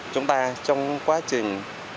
chúng ta trong quá trình